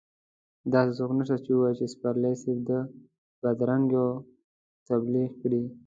داسې څوک نشته چې ووايي پسرلي صاحب د بدرنګيو تبليغ کړی.